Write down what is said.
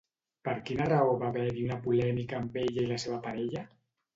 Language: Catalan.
Per quina raó va haver-hi una polèmica amb ella i la seva parella?